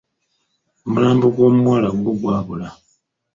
Omulambo gw'omuwala gwo gwabula.